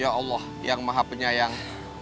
ya allah yang maha penyayang